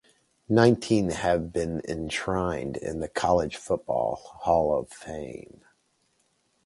Nineteen have been enshrined in the College Football Hall of Fame.